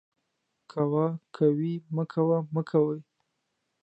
کوه ، کوئ ، مکوه ، مکوئ